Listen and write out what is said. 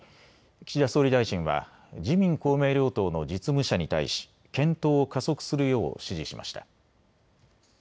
岸田総理大臣は自民公明両党の実務者に対し検討を加速するよう指示しました。